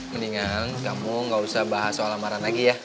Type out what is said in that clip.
mendingan kamu gak usah bahas soal lamaran lagi ya